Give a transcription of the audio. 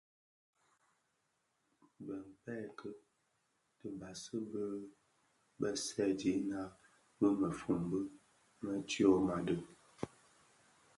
Bi mpërkë dibasi di bisèèdina bi mëfombi më bi tyoma di.